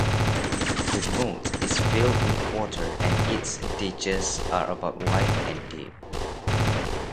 The moat is filled with water and its ditches are about wide and deep.